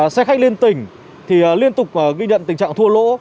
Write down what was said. xe khách liên tỉnh thì liên tục ghi nhận tình trạng thua lỗ